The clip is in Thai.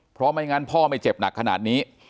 เพราะไม่งั้นพ่อไม่เจ็บหนักขนาดนี้